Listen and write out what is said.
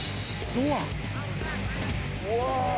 ドア？